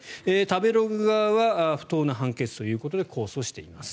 食べログ側は不当な判決ということで控訴しています。